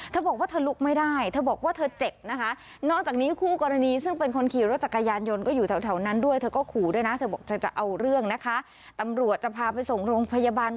เธอบอกว่าเธอลุกไม่ได้เธอบอกว่าเจ็บ